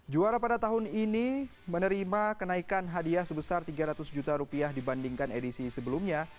juara pada tahun ini menerima kenaikan hadiah sebesar tiga ratus juta rupiah dibandingkan edisi sebelumnya